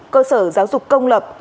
cơ sở giáo dục công lập